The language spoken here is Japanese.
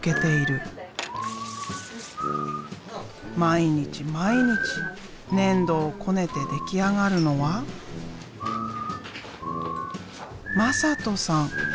毎日毎日粘土をこねて出来上がるのは「まさとさん」。